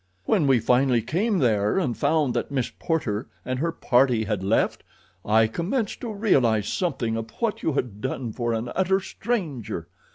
"When we finally came there, and found that Miss Porter and her party had left, I commenced to realize something of what you had done for an utter stranger.